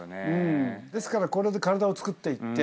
ですからこれで体をつくっていって。